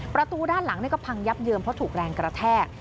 ประตูด้านหลังก็พังยับเยินเพราะถูกแรงกระแทก